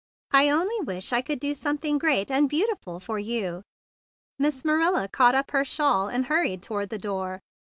"I only wish I could do something great and beauti¬ ful for you." Miss Marilla caught up her cape, and hurried toward the door.